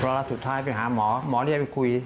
เพราะลาสุดท้ายไปหาหมอหมอเรียกไปคุย